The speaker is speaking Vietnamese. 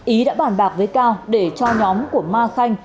ý đã bàn bạc với cao để cho nhóm của ma khanh